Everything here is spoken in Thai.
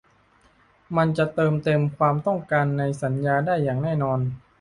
มันจะเติมเต็มความต้องการในสัญญาได้อย่างแน่นอน